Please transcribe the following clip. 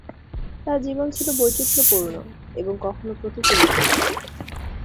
তার জীবন ছিল বৈচিত্র্যপূর্ণ এবং কখনো প্রতিকূলও।